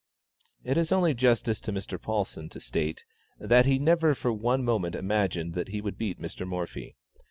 It is only justice to Mr. Paulsen to state, that he never for one moment imagined that he would beat Mr. Morphy.